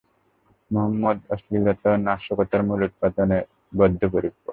মুহাম্মাদ অশ্লীলতা ও নাশকতার মূলোৎপাটনে বদ্ধপরিকর।